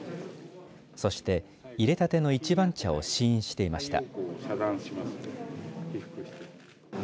そして、いれたての一番茶を試飲していました。